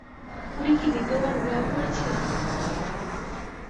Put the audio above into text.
উনি কি দ্বিতীয়বার বিবাহ করেছিলেন?